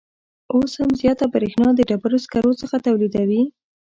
اوس هم زیاته بریښنا د ډبروسکرو څخه تولیدوي